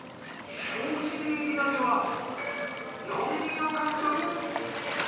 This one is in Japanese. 甲信エリアでは４位を獲得。